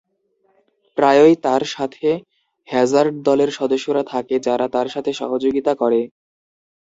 প্রায়ই তার সাথে হ্যাজার্ড দলের সদস্যরা থাকে যারা তার সাথে সহযোগিতা করে।